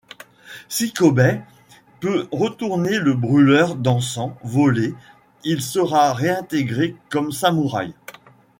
Si Kōbei peut retourner le brûleur d'encens volé, il sera réintégré comme samouraï.